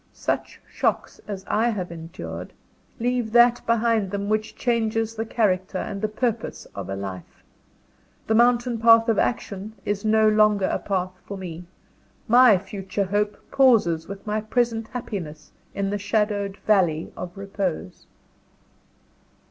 Such shocks as I have endured, leave that behind them which changes the character and the purpose of a life. The mountain path of Action is no longer a path for me; my future hope pauses with my present happiness in the shadowed valley of Repose.